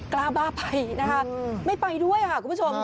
กล้าบ้าไปนะคะไม่ไปด้วยค่ะคุณผู้ชม